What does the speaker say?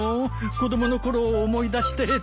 子供の頃を思い出してつい。